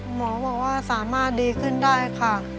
หมอบอกว่าสามารถดีขึ้นได้ค่ะ